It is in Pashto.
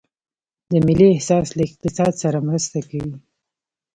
د ملي احساس له اقتصاد سره مرسته کوي؟